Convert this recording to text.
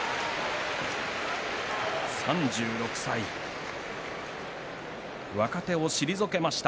３６歳、若手を退けました。